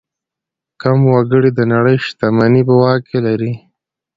کم وګړي د نړۍ شتمني په واک لري.